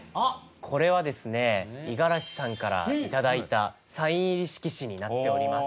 これはですねいがらしさんから頂いたサイン入り色紙になっております。